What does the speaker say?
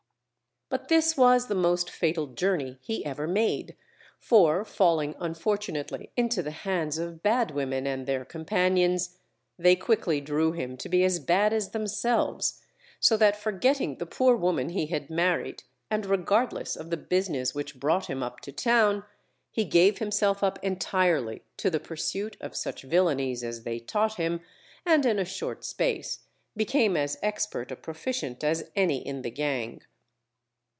But this was the most fatal journey he ever made, for falling unfortunately into the hands of bad women and their companions, they quickly drew him to be as bad as themselves; so that forgetting the poor woman he had married, and regardless of the business which brought him up to town, he gave himself up entirely to the pursuit of such villainies as they taught him, and in a short space became as expert a proficient as any in the gang.